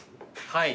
はい。